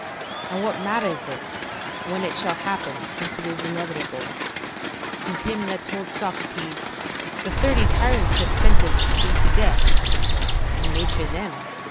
And what matters it, when it shall happen, since it is inevitable? To him that told Socrates, "The thirty tyrants have sentenced thee to death"; "And nature them," said he.